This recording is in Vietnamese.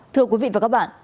thưa quý vị và các bạn